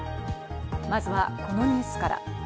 まずはこのニュースから。